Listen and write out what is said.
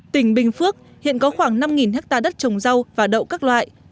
tỉnh bình phước hiện có khoảng năm hectare đất trồng rau và đậu các loại